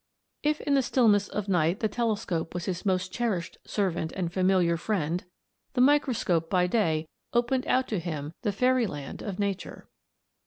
If in the stillness of night the telescope was his most cherished servant and familiar friend, the microscope by day opened out to him the fairyland of nature.